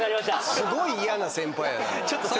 すごい嫌な先輩やな。